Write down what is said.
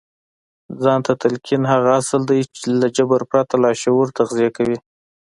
ځان ته تلقين هغه اصل دی چې له جبر پرته لاشعور تغذيه کوي.